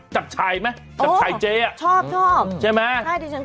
จักรชัยไหม